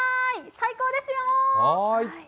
最高ですよ！